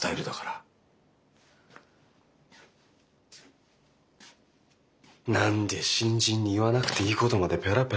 心の声何で新人に言わなくていいことまでペラペラ。